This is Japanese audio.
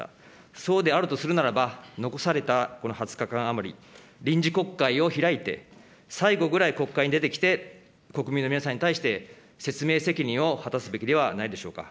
そうであるとするならば、残されたこの２０日間余り、臨時国会を開いて、最後ぐらい国会に出てきて、国民の皆さんに対して、説明責任を果たすべきではないでしょうか。